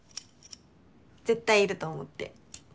絶対要ると思って。